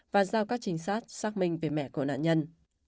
và giao các trinh sát xác minh về mẹ của nạn nhân